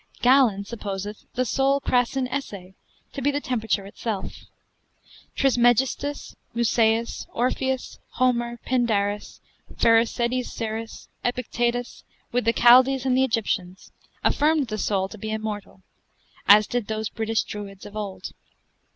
Galen supposeth the soul crasin esse, to be the temperature itself; Trismegistus, Musaeus, Orpheus, Homer, Pindarus, Phaerecides Syrus, Epictetus, with the Chaldees and Egyptians, affirmed the soul to be immortal, as did those British Druids of old.